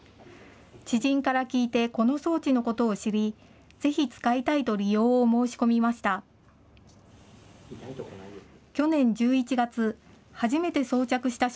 知人から聞いてこの装置のことを知り、ぜひ、使いたいと利用を申し込みました。